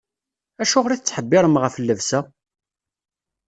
Acuɣer i tettḥebbiṛem ɣef llebsa?